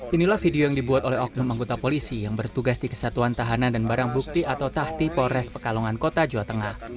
inilah video yang dibuat oleh oknum anggota polisi yang bertugas di kesatuan tahanan dan barang bukti atau tahti polres pekalongan kota jawa tengah